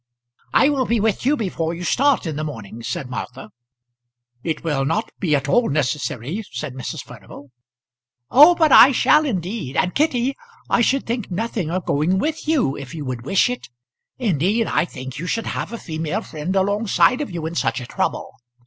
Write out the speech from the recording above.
"I will be with you before you start in the morning," said Martha. "It will not be at all necessary," said Mrs. Furnival. "Oh, but I shall indeed. And, Kitty, I should think nothing of going with you, if you would wish it. Indeed I think you should have a female friend alongside of you in such a trouble.